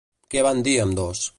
Què van dir ambdós?